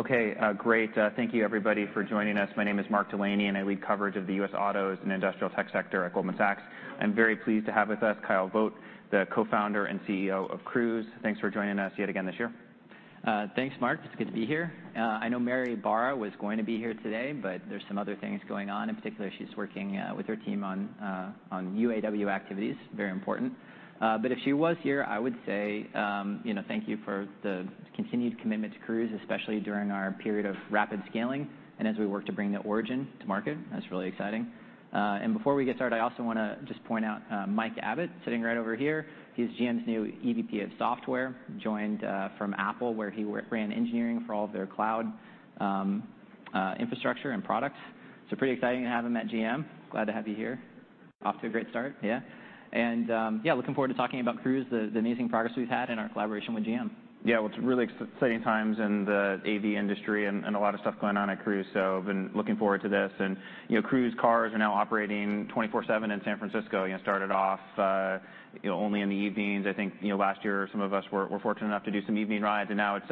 Okay, great. Thank you, everybody, for joining us. My name is Mark Delaney, and I lead coverage of the U.S. Autos and Industrial Tech sector at Goldman Sachs. I'm very pleased to have with us Kyle Vogt, the Co-founder and CEO of Cruise. Thanks for joining us yet again this year. Thanks, Mark. It's good to be here. I know Mary Barra was going to be here today, but there's some other things going on. In particular, she's working with her team on UAW activities, very important. But if she was here, I would say, you know, thank you for the continued commitment to Cruise, especially during our period of rapid scaling and as we work to bring the Origin to market. That's really exciting. And before we get started, I also wanna just point out Mike Abbott, sitting right over here. He's GM's new EVP of Software, joined from Apple, where he ran engineering for all of their cloud infrastructure and products. So pretty exciting to have him at GM. Glad to have you here. Off to a great start. Yeah. Yeah, looking forward to talking about Cruise, the amazing progress we've had and our collaboration with GM. Yeah. Well, it's really exciting times in the AV industry, and a lot of stuff going on at Cruise, so I've been looking forward to this. You know, Cruise cars are now operating 24/7 in San Francisco. You know, started off only in the evenings. I think, you know, last year some of us were fortunate enough to do some evening rides, and now it's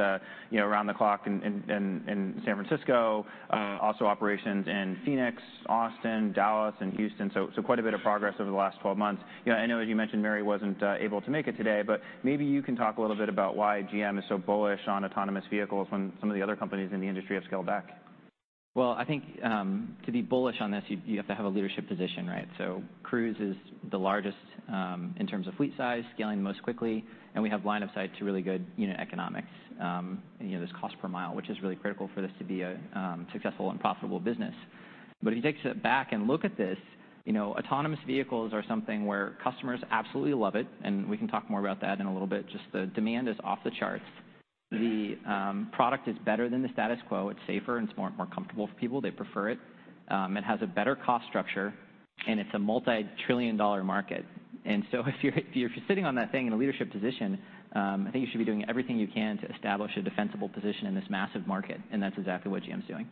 around the clock in San Francisco. Mm. Also operations in Phoenix, Austin, Dallas, and Houston, so, so quite a bit of progress over the last 12 months. You know, I know, as you mentioned, Mary wasn't able to make it today, but maybe you can talk a little bit about why GM is so bullish on autonomous vehicles when some of the other companies in the industry have scaled back. Well, I think, to be bullish on this, you have to have a leadership position, right? So Cruise is the largest in terms of fleet size, scaling the most quickly, and we have line of sight to really good, you know, economics. You know, there's cost per mile, which is really critical for this to be a successful and profitable business. But if you take a step back and look at this, you know, autonomous vehicles are something where customers absolutely love it, and we can talk more about that in a little bit. Just the demand is off the charts. Yeah. The product is better than the status quo. It's safer, and it's more comfortable for people. They prefer it. It has a better cost structure, and it's a multi-trillion-dollar market. So if you're sitting on that thing in a leadership position, I think you should be doing everything you can to establish a defensible position in this massive market, and that's exactly what GM's doing.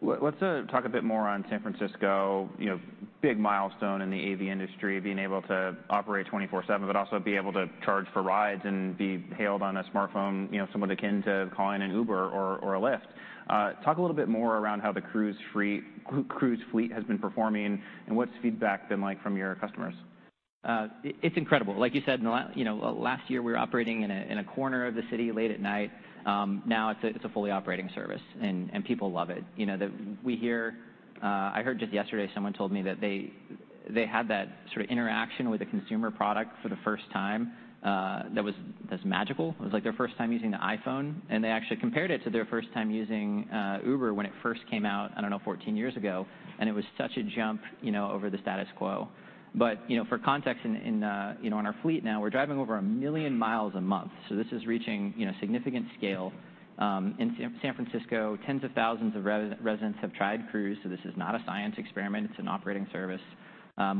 Let's talk a bit more on San Francisco. You know, big milestone in the AV industry, being able to operate 24/7, but also be able to charge for rides and be hailed on a smartphone, you know, somewhat akin to calling an Uber or a Lyft. Talk a little bit more around how the Cruise fleet has been performing, and what's feedback been like from your customers? It's incredible. Like you said, in the last year we were operating in a corner of the city late at night. Now it's a fully operating service, and people love it. You know, we hear, I heard just yesterday, someone told me that they had that sort of interaction with a consumer product for the first time, that was magical. It was like their first time using the iPhone, and they actually compared it to their first time using Uber when it first came out, I don't know, 14 years ago, and it was such a jump, you know, over the status quo. But, you know, for context, in, you know, in our fleet now, we're driving over 1 million miles a month, so this is reaching, you know, significant scale. In San Francisco, tens of thousands of residents have tried Cruise, so this is not a science experiment. It's an operating service.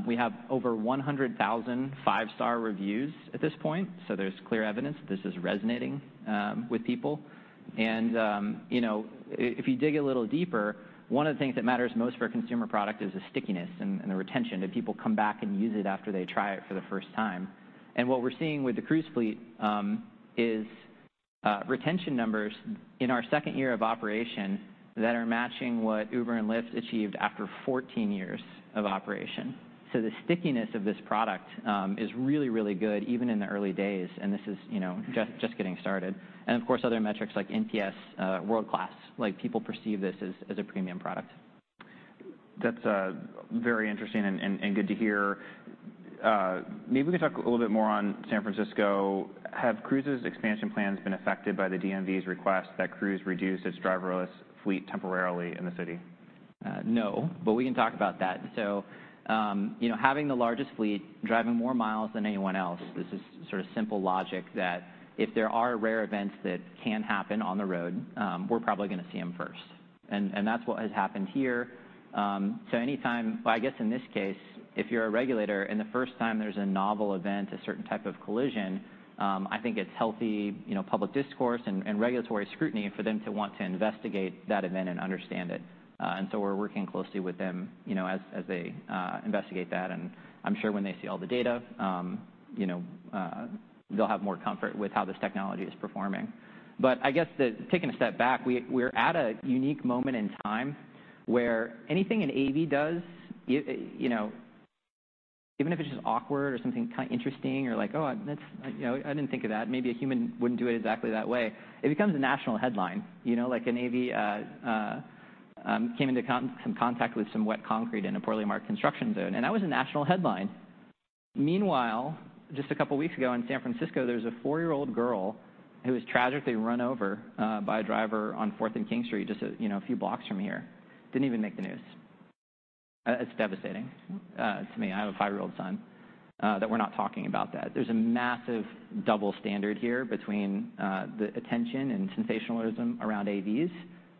We have over 100,000 five-star reviews at this point, so there's clear evidence this is resonating with people. And, you know, if you dig a little deeper, one of the things that matters most for a consumer product is the stickiness and the retention, that people come back and use it after they try it for the first time. And what we're seeing with the Cruise fleet is retention numbers in our second year of operation that are matching what Uber and Lyft achieved after 14 years of operation. So the stickiness of this product is really, really good, even in the early days, and this is, you know, just- Mm. Just getting started. And of course, other metrics like NPS, world-class, like, people perceive this as, as a premium product. That's very interesting and good to hear. Maybe we can talk a little bit more on San Francisco. Have Cruise's expansion plans been affected by the DMV's request that Cruise reduce its driverless fleet temporarily in the city? No, but we can talk about that. So, you know, having the largest fleet, driving more miles than anyone else, this is sort of simple logic that if there are rare events that can happen on the road, we're probably gonna see them first. And that's what has happened here. So anytime... Well, I guess in this case, if you're a regulator, and the first time there's a novel event, a certain type of collision, I think it's healthy, you know, public discourse and regulatory scrutiny for them to want to investigate that event and understand it. And so we're working closely with them, you know, as they investigate that, and I'm sure when they see all the data, you know, they'll have more comfort with how this technology is performing. But I guess taking a step back, we're at a unique moment in time where anything an AV does, it, you know, even if it's just awkward or something kind of interesting or like, "Oh, that's, you know, I didn't think of that," maybe a human wouldn't do it exactly that way, it becomes a national headline. You know, like an AV came into some contact with some wet concrete in a poorly marked construction zone, and that was a national headline. Meanwhile, just a couple weeks ago in San Francisco, there was a four-year-old girl who was tragically run over by a driver on Fourth and King Street, just you know, a few blocks from here. Didn't even make the news. It's devastating to me, I have a five-year-old son that we're not talking about that. There's a massive double standard here between the attention and sensationalism around AVs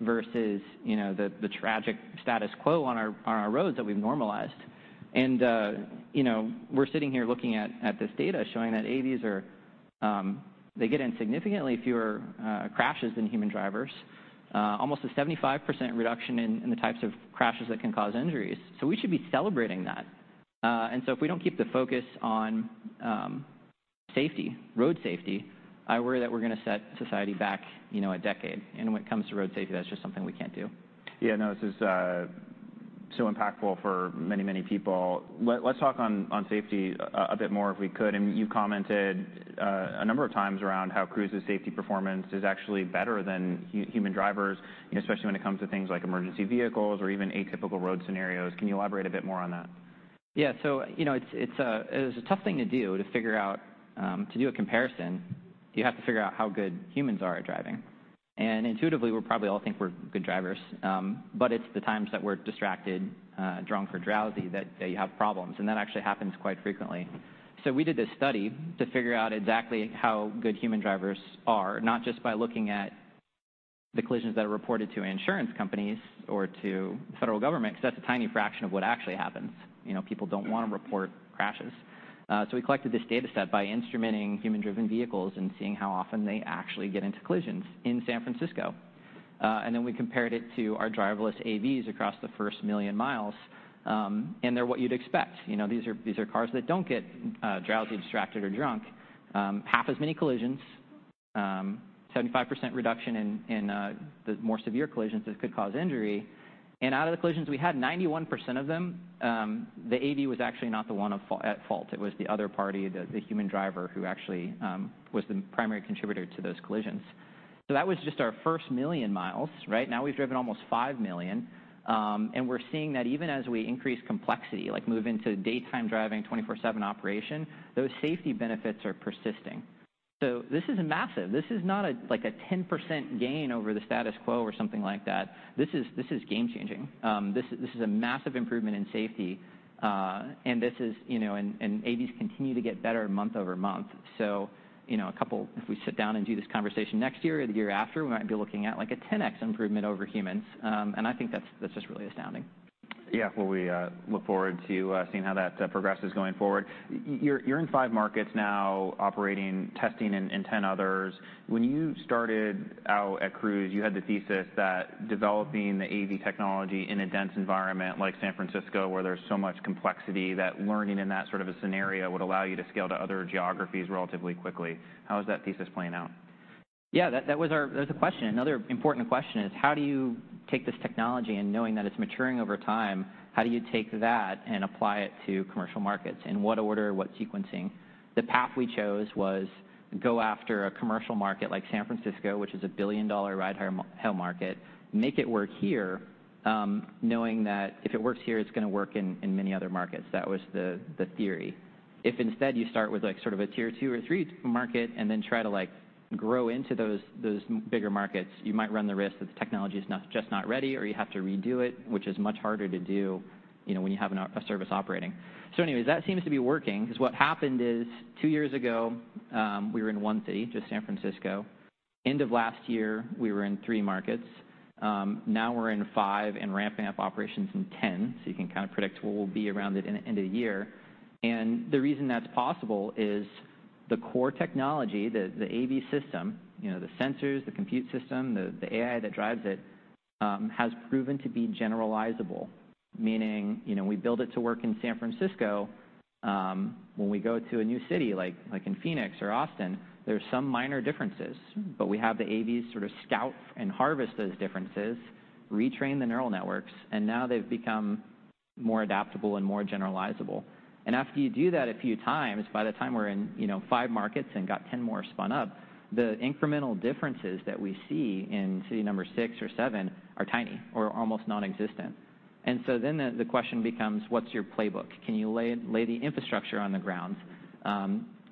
versus, you know, the tragic status quo on our roads that we've normalized. And, you know, we're sitting here looking at this data, showing that AVs are, they get in significantly fewer crashes than human drivers, almost a 75% reduction in the types of crashes that can cause injuries, so we should be celebrating that. And so if we don't keep the focus on safety, road safety, I worry that we're gonna set society back, you know, a decade. And when it comes to road safety, that's just something we can't do. Yeah, no, this is so impactful for many, many people. Let's talk on safety a bit more if we could. I mean, you commented a number of times around how Cruise's safety performance is actually better than human drivers, and especially when it comes to things like emergency vehicles or even atypical road scenarios. Can you elaborate a bit more on that? Yeah. So, you know, it's a tough thing to do, to figure out. To do a comparison, you have to figure out how good humans are at driving. And intuitively, we probably all think we're good drivers, but it's the times that we're distracted, drunk, or drowsy, that you have problems, and that actually happens quite frequently. So we did this study to figure out exactly how good human drivers are, not just by looking at the collisions that are reported to insurance companies or to the federal government, because that's a tiny fraction of what actually happens. You know, people don't- Yeah... want to report crashes. So we collected this data set by instrumenting human-driven vehicles and seeing how often they actually get into collisions in San Francisco. And then we compared it to our driverless AVs across the first 1 million miles, and they're what you'd expect. You know, these are, these are cars that don't get, drowsy, distracted, or drunk. Half as many collisions, 75% reduction in the more severe collisions that could cause injury. And out of the collisions we had, 91% of them, the AV was actually not the one at fault. It was the other party, the, the human driver, who actually, was the primary contributor to those collisions. So that was just our first 1 million miles, right? Now we've driven almost 5 million, and we're seeing that even as we increase complexity, like moving to daytime driving, 24/7 operation, those safety benefits are persisting. So this is massive. This is not a, like, a 10% gain over the status quo or something like that. This is, this is game changing. This, this is a massive improvement in safety, and this is, you know... And, and AVs continue to get better month-over-month. So, you know, a couple- if we sit down and do this conversation next year or the year after, we might be looking at, like, a 10X improvement over humans, and I think that's, that's just really astounding. Yeah. Well, we look forward to seeing how that progresses going forward. You're in five markets now, operating, testing in 10 others. When you started out at Cruise, you had the thesis that developing the AV technology in a dense environment like San Francisco, where there's so much complexity, that learning in that sort of a scenario would allow you to scale to other geographies relatively quickly. How is that thesis playing out? Yeah, that's the question. Another important question is: how do you take this technology, and knowing that it's maturing over time, how do you take that and apply it to commercial markets? In what order, what sequencing? The path we chose was go after a commercial market like San Francisco, which is a billion-dollar ride-hail market, make it work here, knowing that if it works here, it's gonna work in many other markets. That was the theory. If instead you start with, like, sort of a tier two or three market and then try to, like, grow into those bigger markets, you might run the risk that the technology is not just not ready or you have to redo it, which is much harder to do, you know, when you have a service operating. So anyways, that seems to be working, because what happened is, 2 years ago, we were in 1 city, just San Francisco. End of last year, we were in 3 markets. Now we're in 5 and ramping up operations in 10, so you can kind of predict where we'll be around the end of the year. And the reason that's possible is the core technology, the AV system, you know, the sensors, the compute system, the AI that drives it, has proven to be generalizable, meaning, you know, we build it to work in San Francisco, when we go to a new city, like in Phoenix or Austin, there are some minor differences, but we have the AVs sort of scout and harvest those differences, retrain the neural networks, and now they've become more adaptable and more generalizable. After you do that a few times, by the time we're in, you know, five markets and got 10 more spun up, the incremental differences that we see in city number six or seven are tiny or almost nonexistent. The question becomes: what's your playbook? Can you lay, lay the infrastructure on the ground?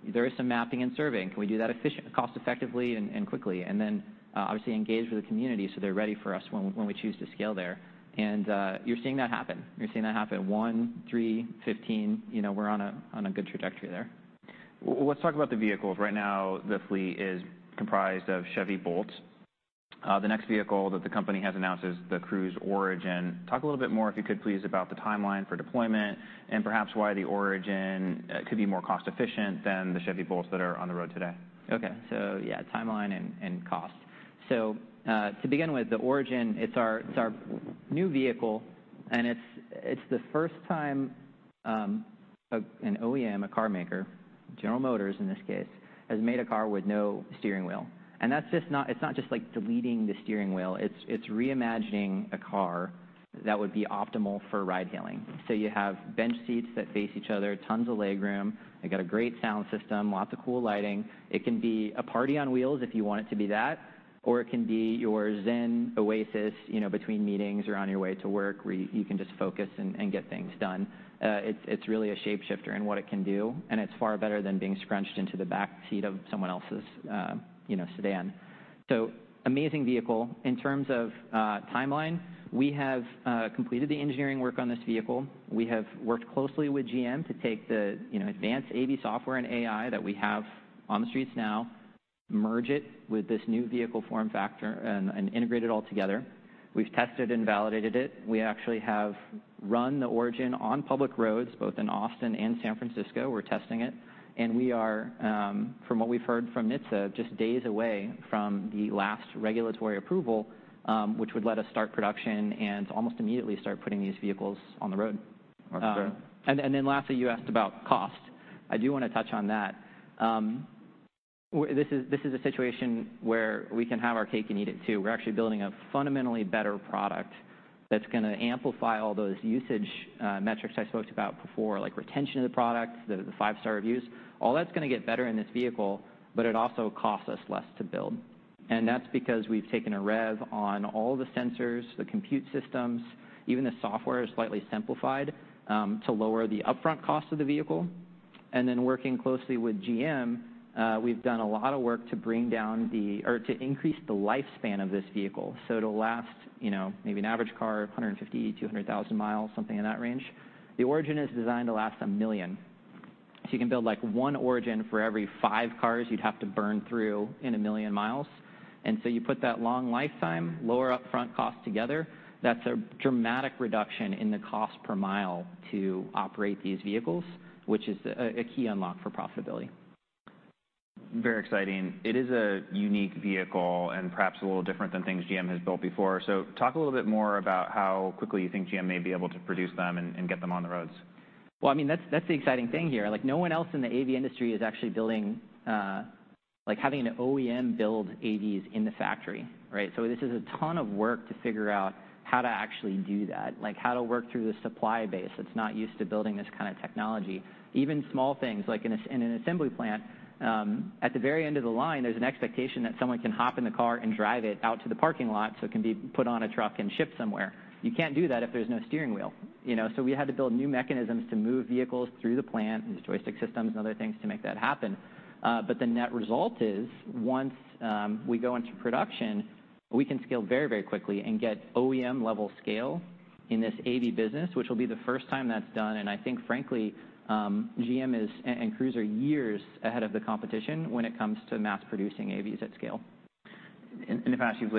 There is some mapping and surveying. Can we do that cost-effectively and quickly, and then, obviously engage with the community so they're ready for us when, when we choose to scale there? You're seeing that happen. You're seeing that happen: one, three, 15. You know, we're on a, on a good trajectory there. Well, let's talk about the vehicles. Right now, the fleet is comprised of Chevy Bolts. The next vehicle that the company has announced is the Cruise Origin. Talk a little bit more, if you could, please, about the timeline for deployment and perhaps why the Origin could be more cost efficient than the Chevy Bolts that are on the road today. Okay. So yeah, timeline and cost. So, to begin with, the Origin, it's our new vehicle, and it's the first time an OEM, a car maker, General Motors in this case, has made a car with no steering wheel. And that's just not- it's not just, like, deleting the steering wheel, it's reimagining a car that would be optimal for ride-hailing. So you have bench seats that face each other, tons of legroom. They got a great sound system, lots of cool lighting. It can be a party on wheels if you want it to be that, or it can be your zen oasis, you know, between meetings or on your way to work, where you can just focus and get things done. It's really a shape-shifter in what it can do, and it's far better than being scrunched into the back seat of someone else's, you know, sedan. So amazing vehicle. In terms of timeline, we have completed the engineering work on this vehicle. We have worked closely with GM to take the, you know, advanced AV software and AI that we have on the streets now, merge it with this new vehicle form factor, and integrate it all together. We've tested and validated it. We actually have run the Origin on public roads, both in Austin and San Francisco. We're testing it, and we are, from what we've heard from NHTSA, just days away from the last regulatory approval, which would let us start production and almost immediately start putting these vehicles on the road. Okay. And then lastly, you asked about cost. I do wanna touch on that. This is a situation where we can have our cake and eat it, too. We're actually building a fundamentally better product that's gonna amplify all those usage metrics I spoke about before, like retention of the product, the five-star reviews. All that's gonna get better in this vehicle, but it also costs us less to build, and that's because we've taken a rev on all the sensors, the compute systems, even the software is slightly simplified to lower the upfront cost of the vehicle. And then working closely with GM, we've done a lot of work to bring down or to increase the lifespan of this vehicle. So it'll last, you know, maybe an average car, 150-200,000 miles, something in that range. The Origin is designed to last 1 million. So you can build, like, 1 Origin for every 5 cars you'd have to burn through in 1 million miles. And so you put that long lifetime, lower upfront cost together, that's a dramatic reduction in the cost per mile to operate these vehicles, which is a key unlock for profitability. Very exciting. It is a unique vehicle and perhaps a little different than things GM has built before. So talk a little bit more about how quickly you think GM may be able to produce them and get them on the roads. Well, I mean, that's, that's the exciting thing here. Like, no one else in the AV industry is actually building, like, having an OEM build AVs in the factory, right? So this is a ton of work to figure out how to actually do that, like, how to work through the supply base that's not used to building this kind of technology. Even small things, like in an assembly plant, at the very end of the line, there's an expectation that someone can hop in the car and drive it out to the parking lot, so it can be put on a truck and shipped somewhere. You can't do that if there's no steering wheel, you know? So we had to build new mechanisms to move vehicles through the plant, and there's joystick systems and other things to make that happen. But the net result is, once we go into production, we can scale very, very quickly and get OEM-level scale in this AV business, which will be the first time that's done, and I think, frankly, GM is, and, and Cruise are years ahead of the competition when it comes to mass producing AVs at scale. In the past, you've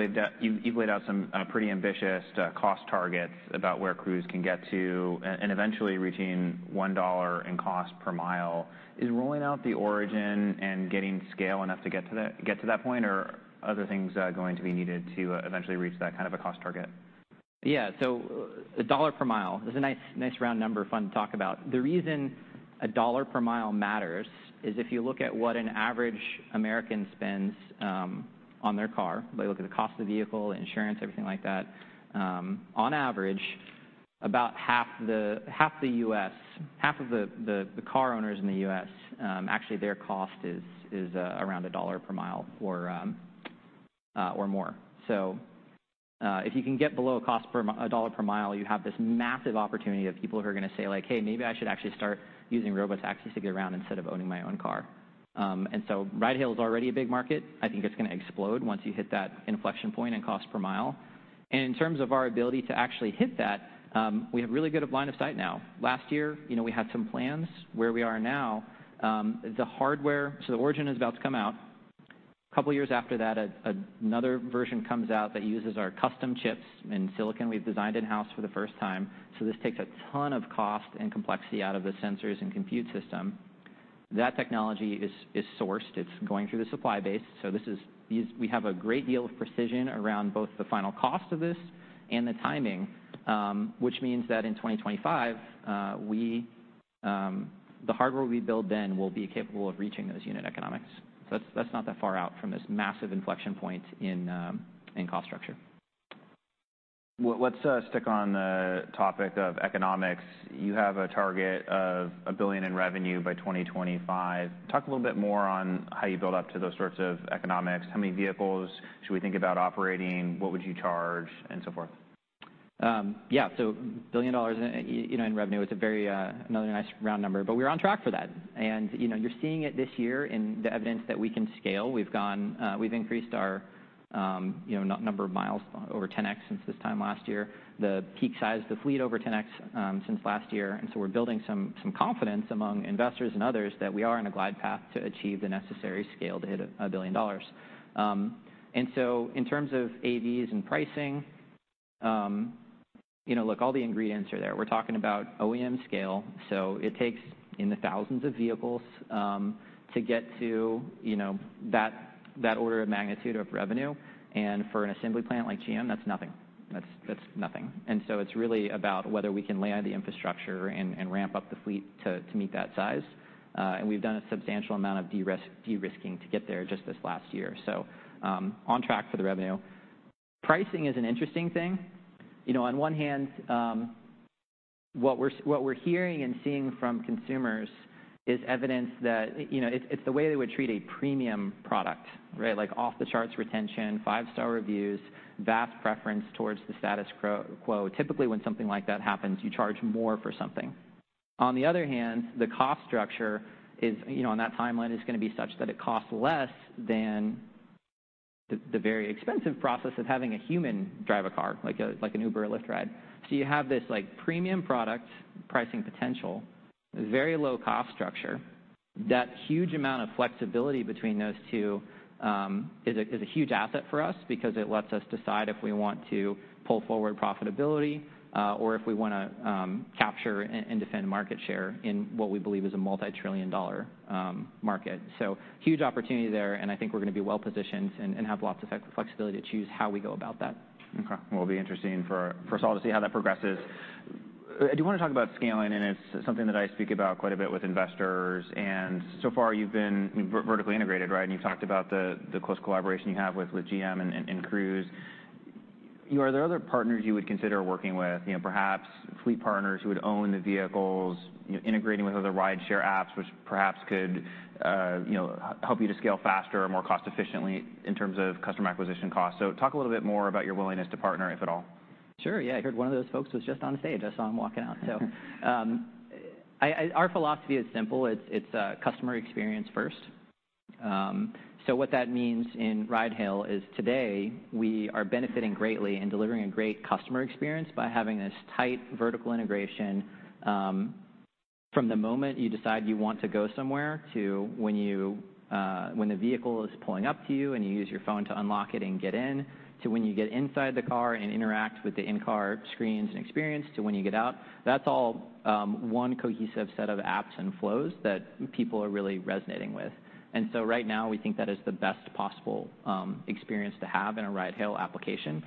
laid out some pretty ambitious cost targets about where Cruise can get to and eventually reaching $1 in cost per mile. Is rolling out the Origin and getting scale enough to get to that point, or are other things going to be needed to eventually reach that kind of a cost target? Yeah. So $1 per mile is a nice, nice round number, fun to talk about. The reason $1 per mile matters is if you look at what an average American spends on their car, if you look at the cost of the vehicle, insurance, everything like that, on average, about half of the car owners in the U.S., actually, their cost is around $1 per mile or more. So if you can get below a $1 per mile, you have this massive opportunity of people who are gonna say, like, "Hey, maybe I should actually start using robotaxis to get around instead of owning my own car." And so ride-hail is already a big market. I think it's gonna explode once you hit that inflection point in cost per mile. And in terms of our ability to actually hit that, we have really good line of sight now. Last year, you know, we had some plans. Where we are now, the hardware... So the Origin is about to come out. A couple of years after that, another version comes out that uses our custom chips and silicon we've designed in-house for the first time. So this takes a ton of cost and complexity out of the sensors and compute system. That technology is sourced. It's going through the supply base, so this is these we have a great deal of precision around both the final cost of this and the timing, which means that in 2025, we the hardware we build then will be capable of reaching those unit economics. So that's that's not that far out from this massive inflection point in in cost structure. Well, let's stick on the topic of economics. You have a target of $1 billion in revenue by 2025. Talk a little bit more on how you build up to those sorts of economics. How many vehicles should we think about operating? What would you charge, and so forth? Yeah, so $1 billion you know, in revenue, it's a very, another nice round number, but we're on track for that. And, you know, you're seeing it this year in the evidence that we can scale. We've gone, we've increased our, you know, number of miles over 10x since this time last year, the peak size of the fleet over 10x, since last year. And so we're building some confidence among investors and others that we are on a glide path to achieve the necessary scale to hit $1 billion. And so in terms of AVs and pricing, you know, look, all the ingredients are there. We're talking about OEM scale, so it takes in the thousands of vehicles, to get to, you know, that, that order of magnitude of revenue. And for an assembly plant like GM, that's nothing. That's, that's nothing. And so it's really about whether we can lay out the infrastructure and, and ramp up the fleet to, to meet that size. And we've done a substantial amount of de-risking to get there just this last year, so, on track for the revenue. Pricing is an interesting thing. You know, on one hand, what we're, what we're hearing and seeing from consumers is evidence that, you know, it's, it's the way they would treat a premium product, right? Like, off-the-charts retention, five-star reviews, vast preference towards the status quo. Typically, when something like that happens, you charge more for something. On the other hand, the cost structure is, you know, on that timeline, is gonna be such that it costs less than the very expensive process of having a human drive a car, like an Uber or Lyft ride. So you have this, like, premium product pricing potential, very low cost structure.... That huge amount of flexibility between those two, is a huge asset for us because it lets us decide if we want to pull forward profitability, or if we wanna, capture and defend market share in what we believe is a multi-trillion dollar, market. So huge opportunity there, and I think we're gonna be well-positioned and have lots of flexibility to choose how we go about that. Okay. Well, it'll be interesting for us all to see how that progresses. I do wanna talk about scaling, and it's something that I speak about quite a bit with investors, and so far you've been vertically integrated, right? And you've talked about the close collaboration you have with GM and Cruise. Are there other partners you would consider working with, you know, perhaps fleet partners who would own the vehicles, you know, integrating with other rideshare apps, which perhaps could, you know, help you to scale faster or more cost-efficiently in terms of customer acquisition costs? So talk a little bit more about your willingness to partner, if at all. Sure, yeah. I heard one of those folks was just on the stage. I saw him walking out. So, Our philosophy is simple. It's customer experience first. So what that means in ride-hail is, today, we are benefiting greatly and delivering a great customer experience by having this tight vertical integration. From the moment you decide you want to go somewhere to when you when the vehicle is pulling up to you, and you use your phone to unlock it and get in, to when you get inside the car and interact with the in-car screens and experience, to when you get out, that's all one cohesive set of apps and flows that people are really resonating with. And so right now, we think that is the best possible experience to have in a ride-hail application.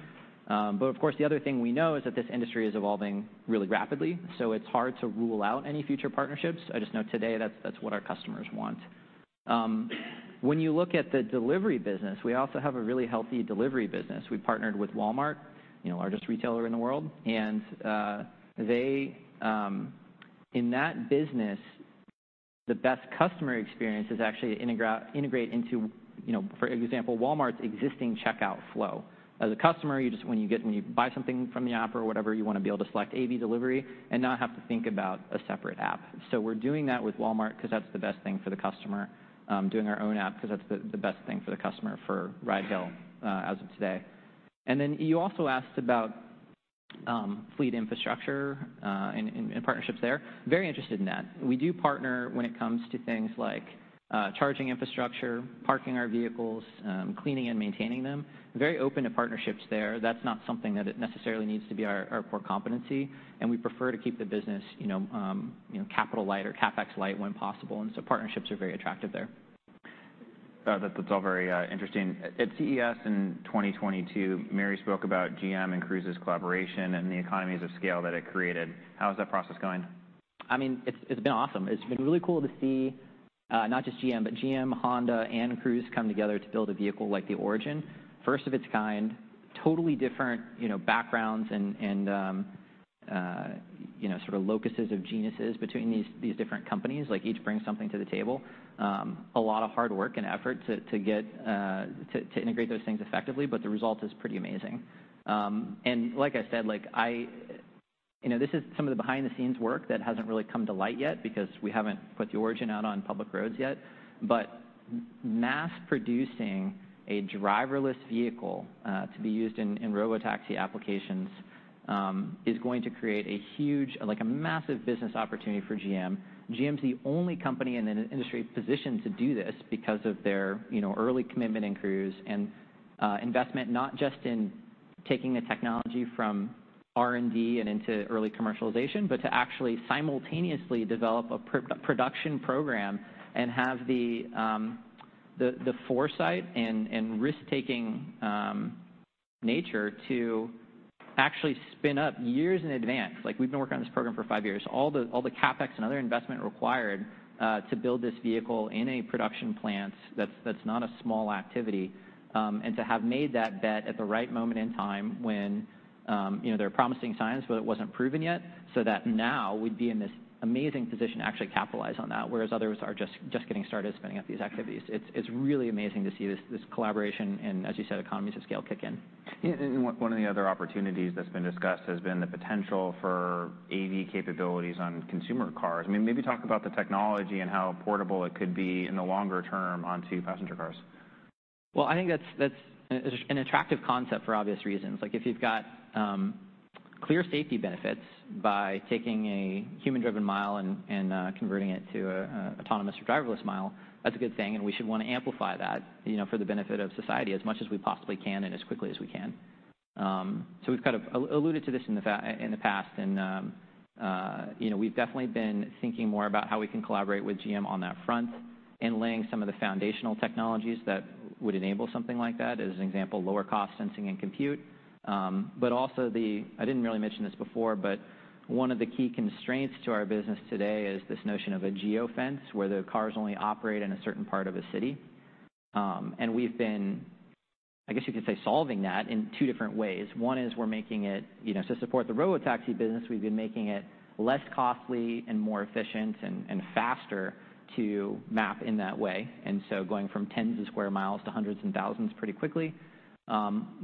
But of course, the other thing we know is that this industry is evolving really rapidly, so it's hard to rule out any future partnerships. I just know today that's, that's what our customers want. When you look at the delivery business, we also have a really healthy delivery business. We partnered with Walmart, you know, largest retailer in the world, and they. In that business, the best customer experience is actually integrated into, you know, for example, Walmart's existing checkout flow. As a customer, you just, when you buy something from the app or whatever, you wanna be able to select AV Delivery and not have to think about a separate app. So we're doing that with Walmart 'cause that's the best thing for the customer, doing our own app 'cause that's the best thing for the customer for Ridehail, as of today. And then you also asked about, fleet infrastructure, and partnerships there. Very interested in that. We do partner when it comes to things like, charging infrastructure, parking our vehicles, cleaning and maintaining them. Very open to partnerships there. That's not something that it necessarily needs to be our core competency, and we prefer to keep the business, you know, you know, capital light or CapEx light when possible, and so partnerships are very attractive there. That’s all very interesting. At CES in 2022, Mary spoke about GM and Cruise’s collaboration and the economies of scale that it created. How is that process going? I mean, it's been awesome. It's been really cool to see, not just GM, but GM, Honda, and Cruise come together to build a vehicle like the Origin. First of its kind, totally different, you know, backgrounds and, you know, sort of loci of genius between these different companies, like, each brings something to the table. A lot of hard work and effort to get to integrate those things effectively, but the result is pretty amazing. And like I said, like I. You know, this is some of the behind-the-scenes work that hasn't really come to light yet because we haven't put the Origin out on public roads yet. But mass producing a driverless vehicle to be used in robotaxi applications is going to create a huge, like, a massive business opportunity for GM. GM's the only company in an industry positioned to do this because of their, you know, early commitment in Cruise and investment, not just in taking the technology from R&D and into early commercialization, but to actually simultaneously develop a production program and have the foresight and risk-taking nature to actually spin up years in advance. Like, we've been working on this program for 5 years. All the CapEx and other investment required to build this vehicle in a production plant, that's not a small activity. And to have made that bet at the right moment in time when, you know, there are promising signs, but it wasn't proven yet, so that now we'd be in this amazing position to actually capitalize on that, whereas others are just getting started spinning up these activities. It's really amazing to see this collaboration, and as you said, economies of scale kick in. And one of the other opportunities that's been discussed has been the potential for AV capabilities on consumer cars. I mean, maybe talk about the technology and how portable it could be in the longer term onto passenger cars. Well, I think that's an attractive concept for obvious reasons. Like, if you've got clear safety benefits by taking a human-driven mile and converting it to an autonomous or driverless mile, that's a good thing, and we should want to amplify that, you know, for the benefit of society as much as we possibly can and as quickly as we can. So we've kind of alluded to this in the past, and you know, we've definitely been thinking more about how we can collaborate with GM on that front and laying some of the foundational technologies that would enable something like that, as an example, lower cost sensing and compute. I didn't really mention this before, but one of the key constraints to our business today is this notion of a geofence, where the cars only operate in a certain part of a city. We've been, I guess you could say, solving that in two different ways. One is we're making it, you know, to support the robotaxi business, we've been making it less costly and more efficient and faster to map in that way, and so going from tens of sq mi to hundreds and thousands pretty quickly.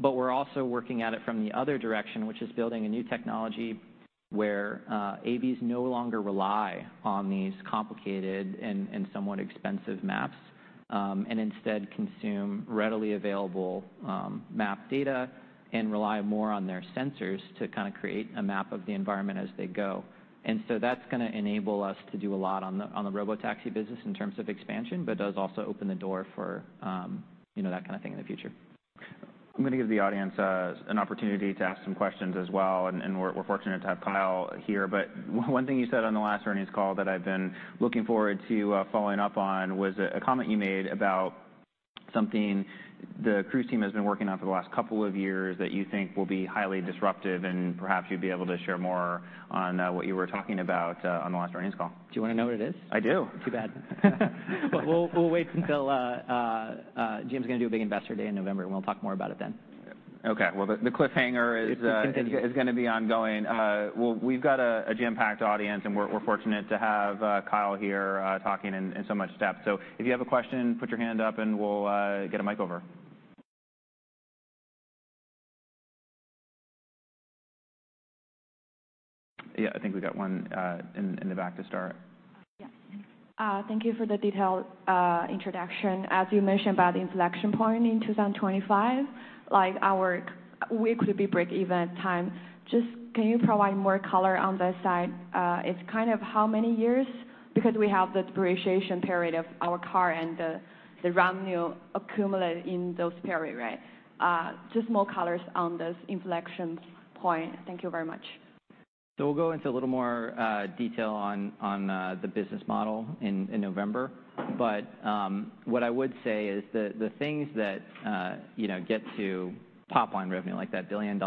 We're also working at it from the other direction, which is building a new technology where AVs no longer rely on these complicated and somewhat expensive maps... And instead consume readily available map data and rely more on their sensors to kind of create a map of the environment as they go. And so that's gonna enable us to do a lot on the, on the robotaxi business in terms of expansion, but does also open the door for, you know, that kind of thing in the future. I'm gonna give the audience an opportunity to ask some questions as well, and we're fortunate to have Kyle here. But one thing you said on the last earnings call that I've been looking forward to following up on was a comment you made about something the Cruise team has been working on for the last couple of years that you think will be highly disruptive, and perhaps you'd be able to share more on what you were talking about on the last earnings call. Do you want to know what it is? I do. Too bad. But we'll wait until GM's gonna do a big investor day in November, and we'll talk more about it then. Okay. Well, the cliffhanger is, It continues... is gonna be ongoing. Well, we've got a jam-packed audience, and we're fortunate to have Kyle here, talking in so much depth. So if you have a question, put your hand up, and we'll get a mic over. Yeah, I think we got one in the back to start. Yeah. Thank you for the detailed introduction. As you mentioned about the inflection point in 2025, like, we could be break even time. Just, can you provide more color on that side? It's kind of how many years? Because we have the depreciation period of our car and the revenue accumulate in those period, right? Just more colors on this inflection point. Thank you very much. So we'll go into a little more detail on the business model in November. But what I would say is the things that you know get to top-line revenue, like that $1 billion,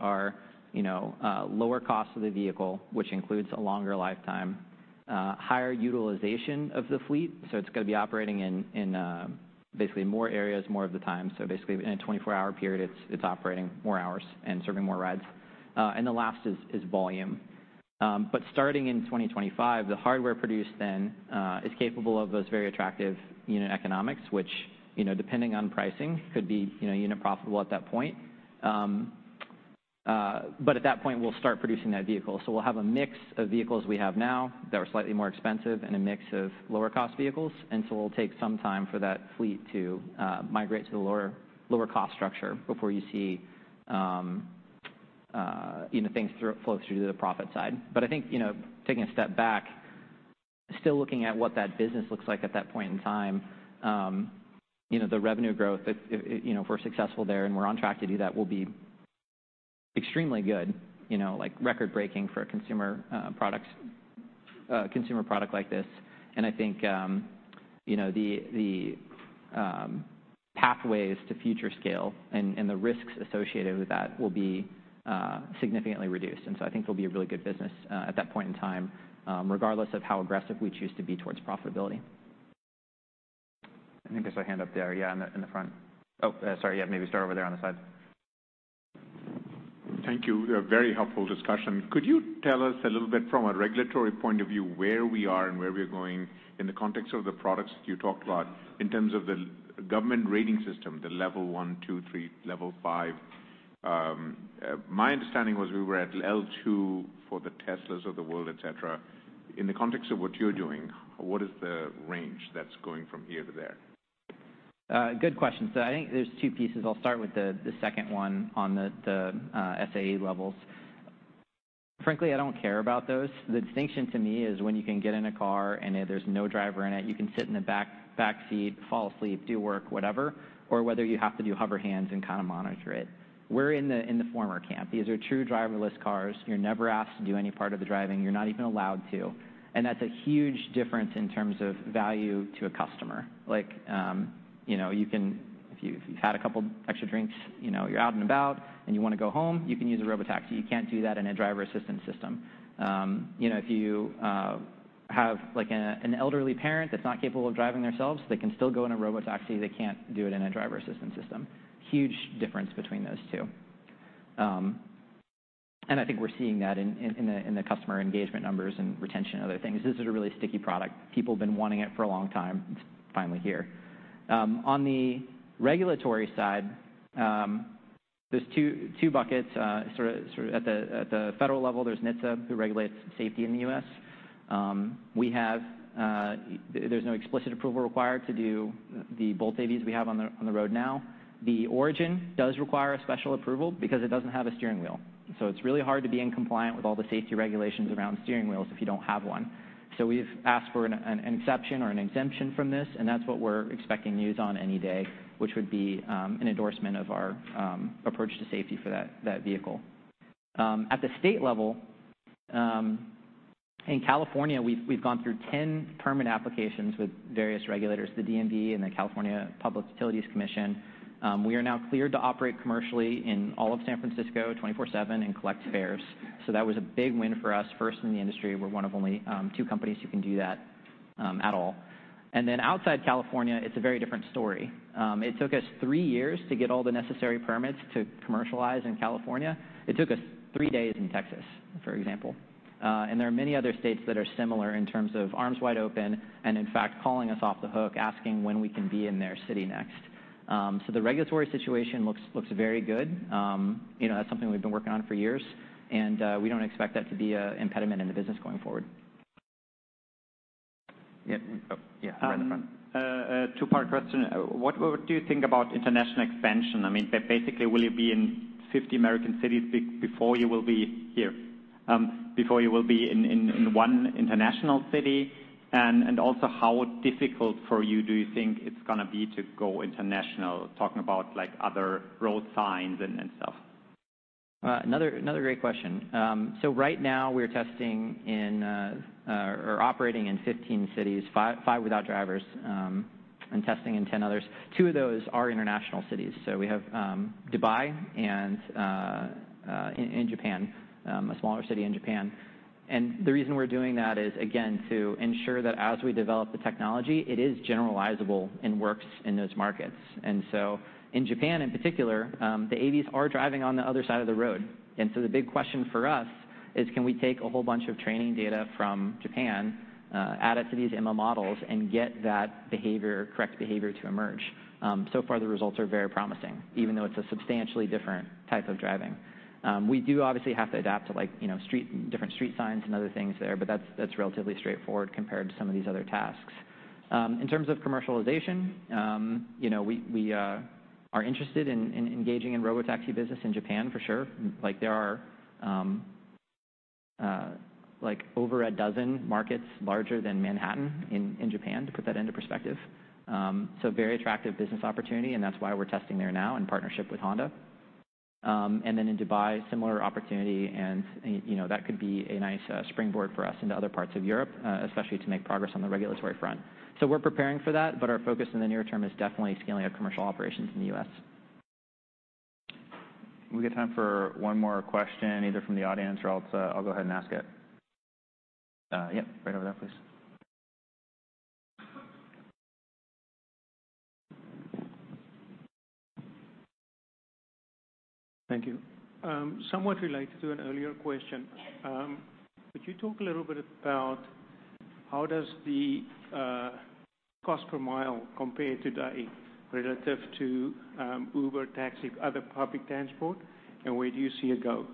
are you know lower cost of the vehicle, which includes a longer lifetime higher utilization of the fleet, so it's gonna be operating in basically more areas more of the time. So basically, in a 24-hour period, it's operating more hours and serving more rides. And the last is volume. But starting in 2025, the hardware produced then is capable of those very attractive unit economics, which you know depending on pricing, could be you know unit profitable at that point. But at that point, we'll start producing that vehicle. So we'll have a mix of vehicles we have now that are slightly more expensive and a mix of lower-cost vehicles, and so it'll take some time for that fleet to migrate to the lower, lower cost structure before you see, you know, things flow through to the profit side. But I think, you know, taking a step back, still looking at what that business looks like at that point in time, you know, the revenue growth, if you know, if we're successful there, and we're on track to do that, will be extremely good, you know, like, record-breaking for a consumer products consumer product like this. And I think, you know, the pathways to future scale and the risks associated with that will be significantly reduced. I think it'll be a really good business, at that point in time, regardless of how aggressive we choose to be towards profitability. I think there's a hand up there. Yeah, in the front. Oh, sorry. Yeah, maybe start over there on the side. Thank you. A very helpful discussion. Could you tell us a little bit from a regulatory point of view, where we are and where we're going in the context of the products you talked about, in terms of the government rating system, the level one, two, three, level five? My understanding was we were at L2 for the Teslas of the world, et cetera. In the context of what you're doing, what is the range that's going from here to there? Good question. So I think there's two pieces. I'll start with the second one on the SAE levels. Frankly, I don't care about those. The distinction to me is when you can get in a car, and there's no driver in it, you can sit in the back seat, fall asleep, do work, whatever, or whether you have to do hover hands and kind of monitor it. We're in the former camp. These are true driverless cars. You're never asked to do any part of the driving. You're not even allowed to. And that's a huge difference in terms of value to a customer. Like, you know, you can if you've had a couple extra drinks, you know, you're out and about and you want to go home, you can use a robotaxi. You can't do that in a driver assistance system. You know, if you have, like, an elderly parent that's not capable of driving theirselves, they can still go in a robotaxi. They can't do it in a driver assistance system. Huge difference between those two. And I think we're seeing that in the customer engagement numbers and retention, other things. This is a really sticky product. People have been wanting it for a long time. It's finally here. On the regulatory side, there's 2 buckets, sort of at the federal level, there's NHTSA, who regulates safety in the U.S. We have, there's no explicit approval required to do the Bolt AVs we have on the road now. The Origin does require a special approval because it doesn't have a steering wheel, so it's really hard to be in compliance with all the safety regulations around steering wheels if you don't have one. So we've asked for an exception or an exemption from this, and that's what we're expecting news on any day, which would be an endorsement of our approach to safety for that vehicle. At the state level, in California, we've gone through 10 permit applications with various regulators, the DMV and the California Public Utilities Commission. We are now cleared to operate commercially in all of San Francisco, 24/7, and collect fares. So that was a big win for us. First in the industry, we're one of only 2 companies who can do that at all. And then outside California, it's a very different story. It took us three years to get all the necessary permits to commercialize in California. It took us three days in Texas, for example. And there are many other states that are similar in terms of arms wide open and, in fact, calling us off the hook, asking when we can be in their city next. So the regulatory situation looks, looks very good. You know, that's something we've been working on for years, and we don't expect that to be a impediment in the business going forward. Yeah. Oh, yeah, right in front. A two-part question. What do you think about international expansion? I mean, basically, will you be in 50 American cities before you will be here, before you will be in one international city? And also, how difficult for you do you think it's gonna be to go international, talking about, like, other road signs and stuff? Another great question. So right now we're testing in or operating in 15 cities, five without drivers, and testing in 10 others. Two of those are international cities, so we have Dubai and in Japan, a smaller city in Japan. And the reason we're doing that is, again, to ensure that as we develop the technology, it is generalizable and works in those markets. And so in Japan, in particular, the AVs are driving on the other side of the road. And so the big question for us is, can we take a whole bunch of training data from Japan, add it to these ML models, and get that correct behavior to emerge? So far, the results are very promising, even though it's a substantially different type of driving. We do obviously have to adapt to, like, you know, street, different street signs and other things there, but that's relatively straightforward compared to some of these other tasks. In terms of commercialization, you know, we are interested in engaging in Robotaxi business in Japan for sure. Like, there are, like, over a dozen markets larger than Manhattan in Japan, to put that into perspective. So very attractive business opportunity, and that's why we're testing there now in partnership with Honda. And then in Dubai, similar opportunity, and, you know, that could be a nice springboard for us into other parts of Europe, especially to make progress on the regulatory front. So we're preparing for that, but our focus in the near term is definitely scaling up commercial operations in the US. We've got time for one more question, either from the audience or else, I'll go ahead and ask it. Yeah, right over there, please. Thank you. Somewhat related to an earlier question, could you talk a little bit about how does the cost per mile compare today relative to Uber, taxi, other public transport, and where do you see it go?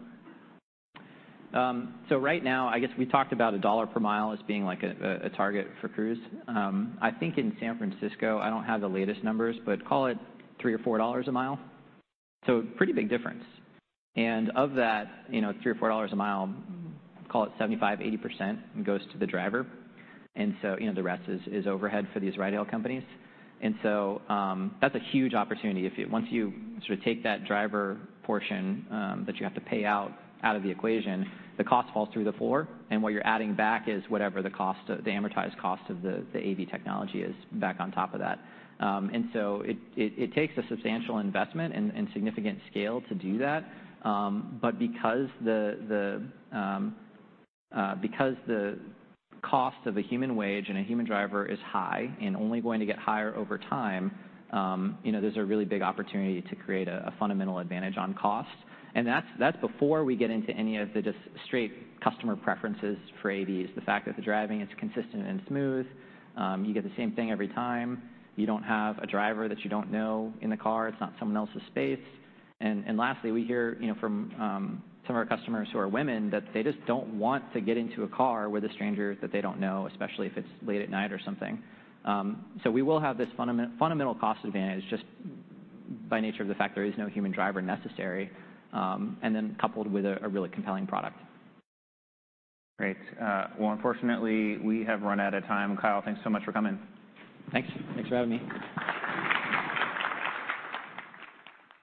So right now, I guess we talked about a dollar per mile as being like a, a, a target for Cruise. I think in San Francisco, I don't have the latest numbers, but call it $3-$4 a mile, so pretty big difference. Of that $3-$4 a mile, call it 75%-80% goes to the driver, and so, you know, the rest is overhead for these ride-hail companies. That's a huge opportunity if you, once you sort of take that driver portion that you have to pay out, out of the equation, the cost falls through the floor, and what you're adding back is whatever the cost, the amortized cost of the AV technology is back on top of that. And so it takes a substantial investment and significant scale to do that. But because the cost of a human wage and a human driver is high and only going to get higher over time, you know, there's a really big opportunity to create a fundamental advantage on cost. And that's before we get into any of the just straight customer preferences for AVs. The fact that the driving is consistent and smooth, you get the same thing every time. You don't have a driver that you don't know in the car. It's not someone else's space. And lastly, we hear, you know, from some of our customers who are women, that they just don't want to get into a car with a stranger that they don't know, especially if it's late at night or something. So we will have this fundamental cost advantage just by nature of the fact there is no human driver necessary, and then coupled with a really compelling product. Great. Well, unfortunately, we have run out of time. Kyle, thanks so much for coming. Thank you. Thanks for having me.